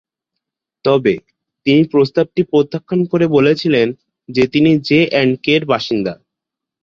তবে, তিনি প্রস্তাবটি প্রত্যাখ্যান করে বলেছিলেন যে তিনি জে অ্যান্ড কে-র বাসিন্দা।